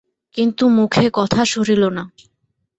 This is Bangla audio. কিন্তু মুখে কথা সরিল না।